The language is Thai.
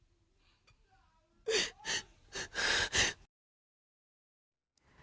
บีบลูก